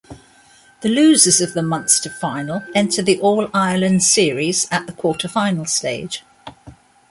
The losers of the Munster final enter the All-Ireland series at the quarter-final stage.